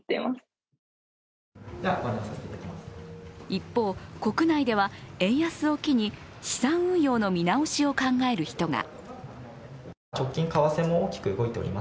一方、国内では円安を機に資産運用の見直しを考える人が。